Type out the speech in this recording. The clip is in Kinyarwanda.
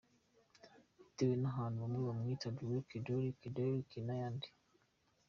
Bitewe n’ahantu bamwe bamwita Derek, Derick, Deryck n’ayandi.